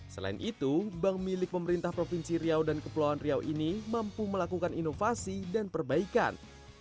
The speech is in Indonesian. selain itu bank milik pemerintah provinsi riau dan kepulauan riau ini mampu melakukan inovasi dan perbaikan